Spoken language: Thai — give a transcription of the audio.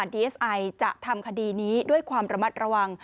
ดีเอสไอจะทำคดีนี้ด้วยความระมัดระวัง